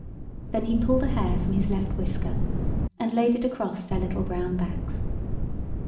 Then he pulled a hair from his left whisker and laid it across their little brown backs.